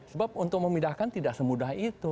sebab untuk memindahkan tidak semudah itu